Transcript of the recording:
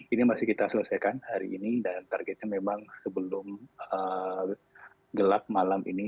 ini masih kita selesaikan hari ini dan targetnya memang sebelum gelap malam ini